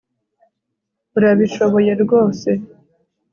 Urabishoboye rwose